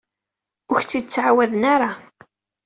Ur ak-t-id-ttɛawaden ara.